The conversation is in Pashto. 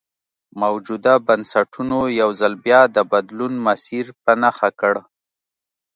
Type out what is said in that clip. موجوده بنسټونو یو ځل بیا د بدلون مسیر په نښه کړ.